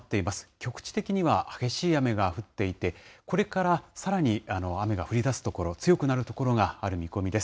局地的には激しい雨が降っていて、これからさらに雨が降りだす所、強くなる所がある見込みです。